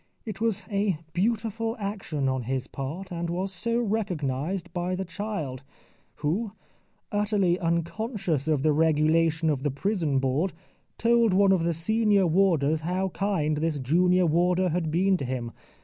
It was a beautiful action on his part, and was so recognised by the child, who, utterly unconscious of the regulation of the Prison Board, told one of the senior warders how kind this junior warder had been to him.